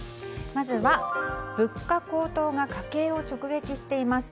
まずは、物価高騰が家計を直撃しています。